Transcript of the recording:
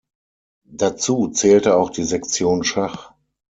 Dazu zählte auch die Sektion Schach.